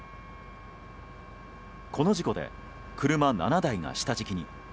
この事故で車７台が下敷きに。